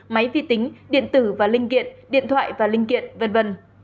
máy vi tính điện tử và linh kiện điện thoại và linh kiện v v